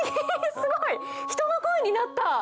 すごい！人の声になった！